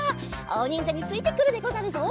あおにんじゃについてくるでござるぞ。